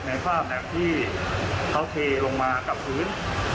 แต่ปรากฏในภาพที่เขาเทลงมากับพื้น